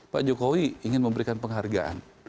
pak jokowi ingin memberikan penghargaan